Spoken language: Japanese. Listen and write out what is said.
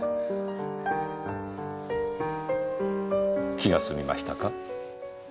気が済みましたか？